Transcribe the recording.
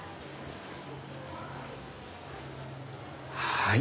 はい。